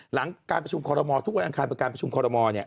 หลังการประชุมคอรมอลทุกวันอังคารประการประชุมคอรมอลเนี่ย